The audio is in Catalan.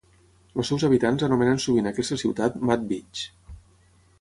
Els seus habitants anomenen sovint aquesta ciutat Mad Beach.